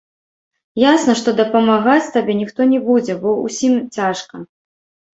Ясна, што дапамагаць табе ніхто не будзе, бо ўсім цяжка.